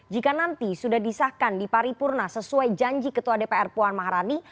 jika nanti sudah disahkan di paripurna sesuai janji ketua dpr puan maharani